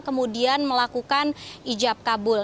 kemudian melakukan ijab kabul